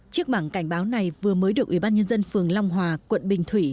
chiếc bảng cảnh báo này vừa mới được ủy ban nhân dân phường long hòa quận bình thủy